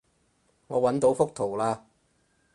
我搵到幅圖喇